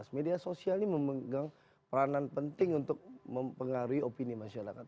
media sosial ini memegang peranan penting untuk mempengaruhi opini masyarakat